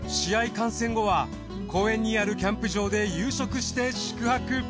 観戦後は公園にあるキャンプ場で夕食して宿泊。